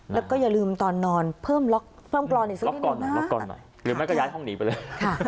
แล้วก็อย่าลืมตอนนอนเพิ่มกรอนอีกสักนิดหนึ่งนะหรือไม่ก็ย้ายห้องหนีไปเลย